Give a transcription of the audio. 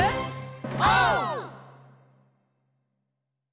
オー！